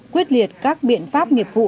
quyết liệt các biện pháp nghiệp vụ